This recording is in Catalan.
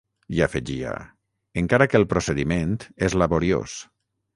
I afegia: ‘Encara que el procediment és laboriós’.